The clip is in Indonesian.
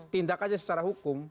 tindak aja secara hukum